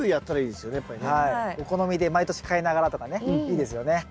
お好みで毎年変えながらとかねいいですよね。